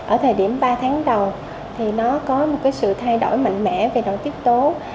ở thời điểm ba tháng đầu thì nó có một sự thay đổi mạnh mẽ về tổ chức tố